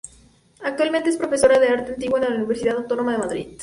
Actualmente es profesora de Arte Antiguo de la Universidad Autónoma de Madrid.